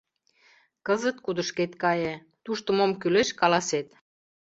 Кызыт кудышкет кае, тушто мом кӱлеш — каласет.